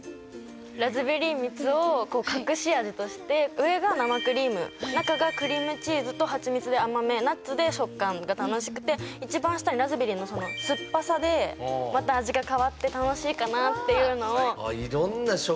上が生クリーム中がクリームチーズとハチミツで甘めナッツで食感が楽しくて一番下にラズベリーのそのすっぱさでまた味が変わって楽しいかなっていうのを。